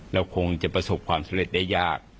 เราคงจะประสบความเศรษฐ์ได้ยาก